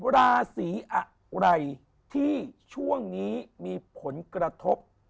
ราศีอะไรที่ช่วงนี้มีผลกระทบ